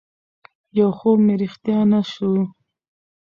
يو خوب مې رښتيا نه شو